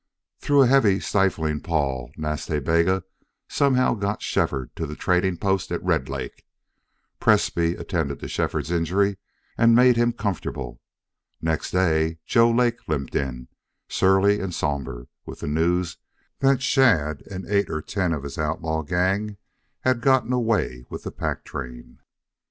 Through a heavy, stifling pall Nas Ta Bega somehow got Shefford to the trading post at Red Lake. Presbrey attended to Shefford's injury and made him comfortable. Next day Joe Lake limped in, surly and somber, with the news that Shadd and eight or ten of his outlaw gang had gotten away with the pack train.